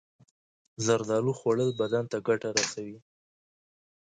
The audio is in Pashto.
زردالو خوړل بدن ته ګټه رسوي.